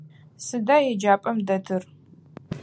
Сыда еджапӏэм дэтыр?